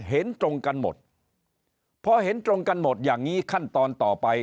เห็นตรงกันหมดพอเห็นตรงกันหมดอย่างนี้ขั้นตอนต่อไป